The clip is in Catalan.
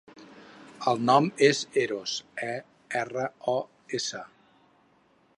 El nom és Eros: e, erra, o, essa.